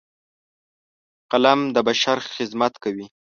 قلم د بشر خدمت کوي